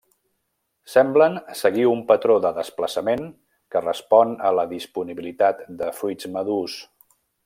Semblen seguir un patró de desplaçament que respon a la disponibilitat de fruits madurs.